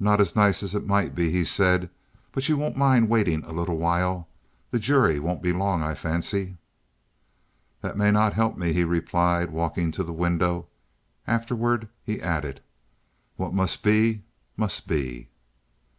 "Not as nice as it might be," he said, "but you won't mind waiting a little while. The jury won't be long, I fancy." "That may not help me," he replied, walking to the window. Afterward he added: "What must be, must be."